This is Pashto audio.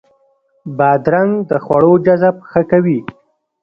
بادرنګ د خوړو جذب ښه کوي.